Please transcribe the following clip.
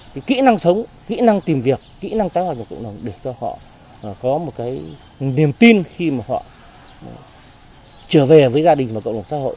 cái kỹ năng sống kỹ năng tìm việc kỹ năng tái hòa nhập cộng đồng để cho họ có một cái niềm tin khi mà họ trở về với gia đình và cộng đồng xã hội